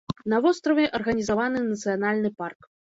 На востраве арганізаваны нацыянальны парк.